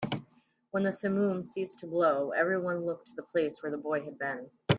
When the simum ceased to blow, everyone looked to the place where the boy had been.